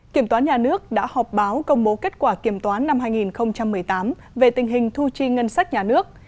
kiểm toán nhà nước đã họp báo công bố kết quả kiểm toán năm hai nghìn một mươi tám về tình hình thu chi ngân sách nhà nước